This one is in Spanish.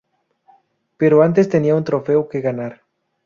Pero antes tenía un trofeo que ganar.